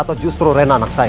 atau justru rena anak saya